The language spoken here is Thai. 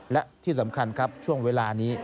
และที่สำคัญครับช่วงเวลานี้